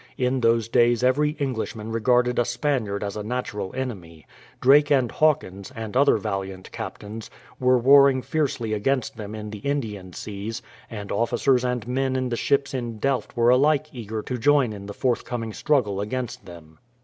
In those days every Englishman regarded a Spaniard as a natural enemy. Drake and Hawkins, and other valiant captains, were warring fiercely against them in the Indian seas, and officers and men in the ships in Delft were alike eager to join in the forthcoming struggle against them.